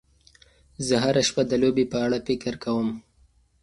زه هره شپه د لوبې په اړه فکر کوم.